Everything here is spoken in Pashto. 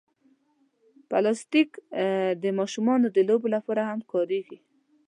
پلاستيک د ماشومانو د لوبو لپاره هم کارېږي.